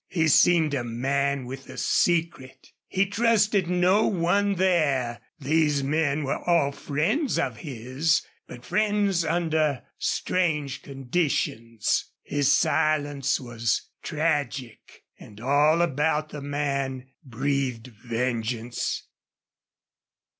He seemed a man with a secret. He trusted no one there. These men were all friends of his, but friends under strange conditions. His silence was tragic, and all about the man breathed vengeance.